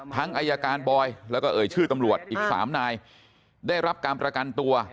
อายการบอยแล้วก็เอ่ยชื่อตำรวจอีก๓นายได้รับการประกันตัว